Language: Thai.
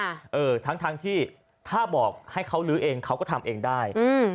เออทั้งทั้งที่ถ้าบอกให้เขาลื้อเองเขาก็ทำเองได้อืม